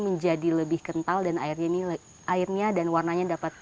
menjadi lebih kental dan airnya dan warnanya dapat